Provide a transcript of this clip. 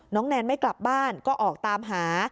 แนนไม่กลับบ้านก็ออกตามหา